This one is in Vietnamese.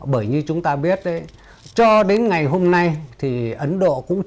bởi như chúng ta biết đấy cho đến ngày hôm nay thì ấn độ cũng chưa